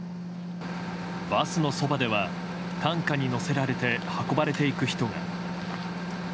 バスのそばでは担架に乗せられて運ばれていく人が。